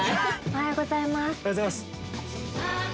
おはようございます。